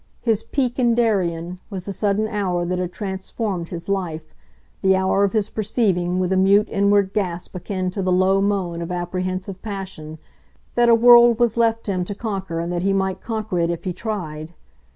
His "peak in Darien" was the sudden hour that had transformed his life, the hour of his perceiving with a mute inward gasp akin to the low moan of apprehensive passion, that a world was left him to conquer and that he might conquer it if he tried.